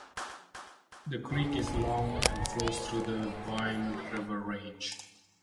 The creek is long and flows through the Wind River Range.